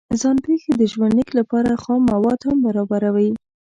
ځان پېښې د ژوند لیک لپاره خام مواد هم برابروي.